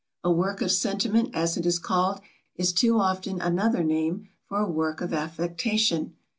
A work of sentiment, as it is called, is too often another name for a work of affectation.